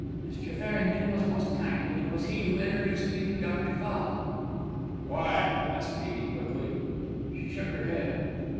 "Mr. Farrington was most kind, and it was he who introduced me to Dr. Fall." "Why?" asked T. B. quickly. She shook her head.